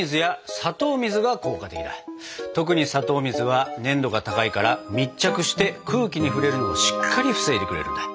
特に砂糖水は粘度が高いから密着して空気に触れるのをしっかり防いでくれるんだ。